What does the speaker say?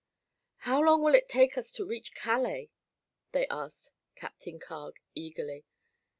"How long will it take us to reach Calais?" they asked Captain Carg eagerly.